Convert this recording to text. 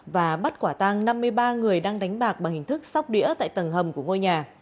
và bắt quả tăng năm mươi ba người đang đánh bạc bằng hình thức sóc đĩa tại tầng hầm của ngôi nhà